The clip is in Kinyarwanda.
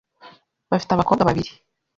Bafite abakobwa babiri .